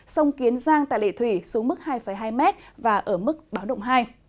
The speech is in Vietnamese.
sông kiến giang tại lệ thủy xuống mức hai hai m và ở mức báo động hai